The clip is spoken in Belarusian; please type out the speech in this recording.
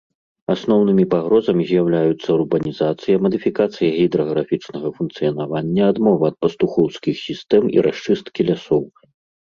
Асноўнымі пагрозамі з'яўляюцца урбанізацыя, мадыфікацыя гідраграфічнага функцыянавання, адмова ад пастухоўскіх сістэм і расчысткі лясоў.